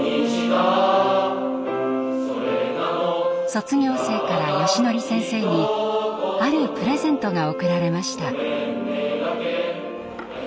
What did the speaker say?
卒業生からよしのり先生にあるプレゼントが贈られました。